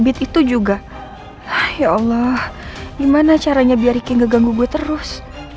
itu juga ya allah gimana caranya biar riki enggak ganggu gue terus